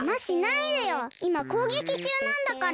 いまこうげきちゅうなんだから！